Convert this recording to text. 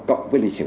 cộng với lịch sử